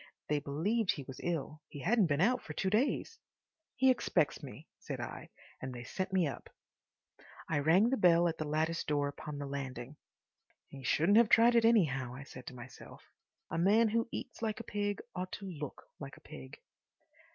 They believed he was ill; he hadn't been out for two days. "He expects me," said I, and they sent me up. I rang the bell at the lattice door upon the landing. "He shouldn't have tried it, anyhow," I said to myself. "A man who eats like a pig ought to look like a pig."